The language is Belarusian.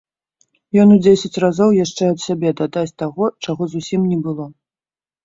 Ён у дзесяць разоў яшчэ ад сябе дадасць таго, чаго зусім не было.